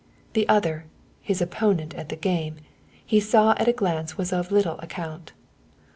The other, his opponent at the game, he saw at a glance was of little account.